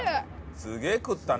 すげえ食ったね。